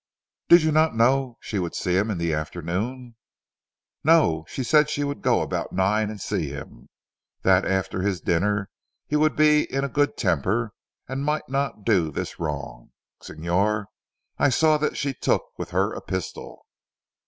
"Did you not know she would see him in the afternoon?" "No! She said she would go about nine and see him. That after his dinner he would be in a good temper and might not do this wrong. Signor, I saw that she took with her a pistol."